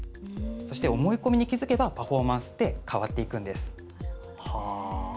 そして、思い込みに気付けばパフォーマンスは変わっていくんです。